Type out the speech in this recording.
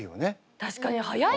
確かに早い。